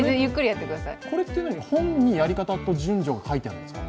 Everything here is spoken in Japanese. これって、本にやり方と順序が書いてあるんですか？